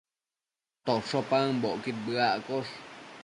tosho paëmbocquid bëaccosh